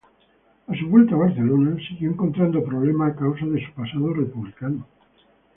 A su vuelta a Barcelona, siguió encontrando problemas a causa de su pasado republicano.